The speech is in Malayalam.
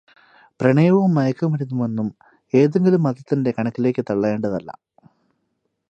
പ്രണയവും മയക്കുമരുന്നുമൊന്നും ഏതെങ്കിലും മതത്തിന്റെ കണക്കിലേക്ക് തള്ളേണ്ടതല്ല.